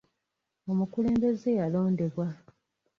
Omukulembeze yalondebwa